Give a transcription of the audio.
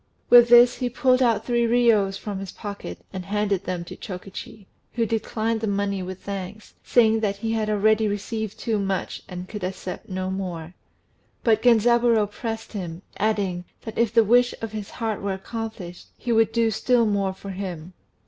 With this he pulled out three riyos from his pocket and handed them to Chokichi. who declined the money with thanks, saying that he had already received too much, and could accept no more; but Genzaburô pressed him, adding, that if the wish of his heart were accomplished he would do still more for him.